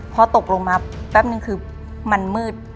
พอตกลงมาแป๊บนึงคือมันมืด